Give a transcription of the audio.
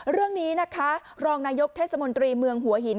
เรื่องนี้นะคะรองนายกเทศมนตรีเมืองหัวหิน